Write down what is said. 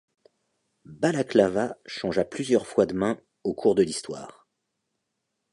Balaklava changea plusieurs fois de mains au cours de l'histoire.